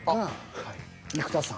生田さん。